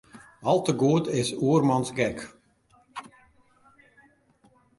Al te goed is oarmans gek.